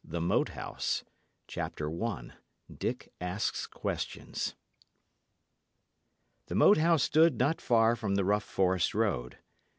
BOOK II THE MOAT HOUSE CHAPTER I DICK ASKS QUESTIONS The Moat House stood not far from the rough forest road.